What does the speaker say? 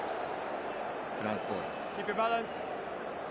フランスボール。